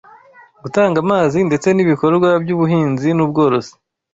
gutanga amazi ndetse n’ibikorwa by’ubuhinzi n’ubworozi